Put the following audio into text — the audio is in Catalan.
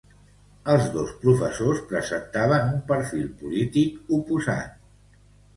Els dos professors presentaven un perfil polític oposat.